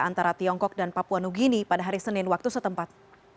antara tiongkok dan papua new guinea pada hari senin waktu setempat